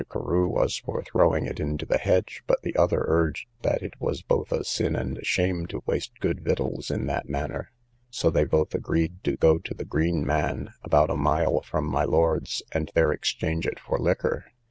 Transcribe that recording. Carew was for throwing it into the hedge, but the other urged that it was both a sin and a shame to waste good victuals in that manner, so they both agreed to go to the Green Man, about a mile from my lord's, and there exchange it for liquor.